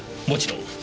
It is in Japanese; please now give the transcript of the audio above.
もちろん。